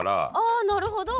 あなるほど。